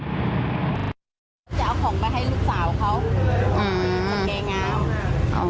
จะเอาของไปให้ลูกสาวเขาจะแก่งาน